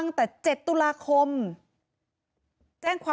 เหตุการณ์เกิดขึ้นแถวคลองแปดลำลูกกา